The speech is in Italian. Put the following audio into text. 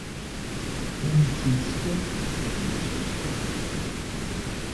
Francisco Sanchez